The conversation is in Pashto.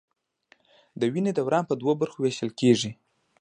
د وینې دوران په دوو برخو ویشل کېږي.